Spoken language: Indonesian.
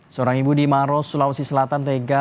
seorang ibu di maros sulawesi selatan tega